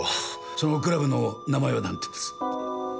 そのクラブの名前はなんていうんです？